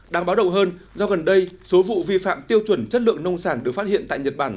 đáng báo đậu hơn do gần đây số vụ vi phạm tiêu chuẩn chất lượng nông sản được phát hiện tại nhật bản